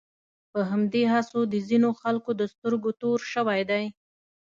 په همدې هڅو د ځینو خلکو د سترګو تور شوی دی.